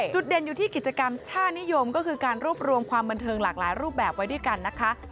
เด่นอยู่ที่กิจกรรมช่านิยมก็คือการรวบรวมความบันเทิงหลากหลายรูปแบบไว้ด้วยกันนะคะ